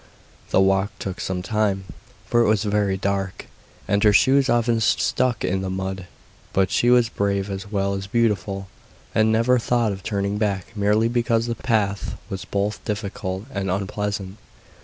The walk took some time, for it was very dark, and her shoes often stuck in the mud, but she was brave as well as beautiful and never thought of turning back merely because the path was both difficult and unpleasant.